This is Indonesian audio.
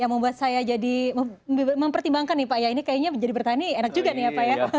yang membuat saya jadi mempertimbangkan nih pak ya ini kayaknya menjadi bertani enak juga nih ya pak ya